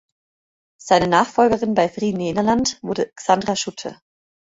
Seine Nachfolgerin bei "Vrij Nederland" wurde Xandra Schutte.